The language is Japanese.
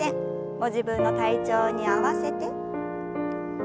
ご自分の体調に合わせて。